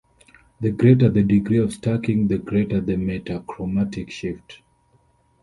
The greater the degree of stacking, the greater the metachromatic shift.